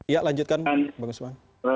ya lanjutkan bang usman